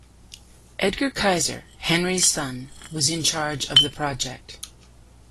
Edgar Kaiser, Henry's son, was in charge of the project.